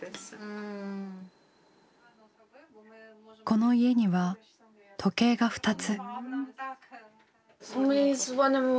この家には時計が２つ。